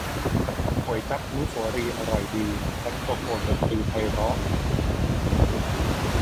ก๋วยจั๊บอนุเสาวรีย์อร่อยดี แซกโซโฟนดนตรีไพเราะ